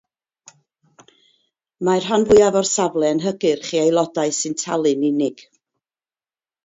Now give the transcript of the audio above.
Mae'r rhan fwyaf o'r safle yn hygyrch i aelodau sy'n talu'n unig.